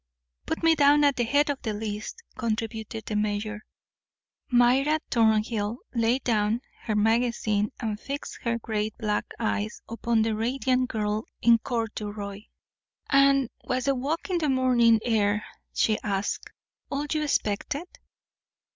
"Put me down at the head of the list," contributed the mayor. Myra Thornhill laid down her magazine, and fixed her great black eyes upon the radiant girl in corduroy. "And was the walk in the morning air," she asked, "all you expected?"